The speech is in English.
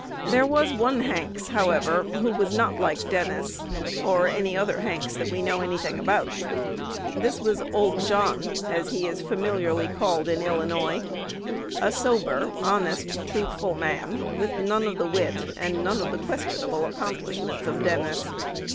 There was one Hanks, however, who was not like Dennis, or any other Hanks we know any thing about: this was "old John," as he is familiarly called in Illinois, a sober, honest, truthful man, with none of the wit and none of the questionable accomplishments of Dennis.